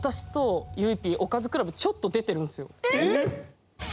えっ？